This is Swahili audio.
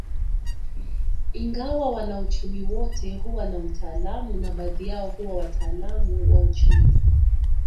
Ingawa wanauchumi wote huwa na utaalamu na baadhi yao huwa wataalamu wa uchumi